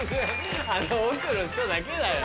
あの奥の人だけだよ。